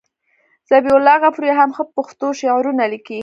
ذبیح الله غفوري هم ښه پښتو شعرونه لیکي.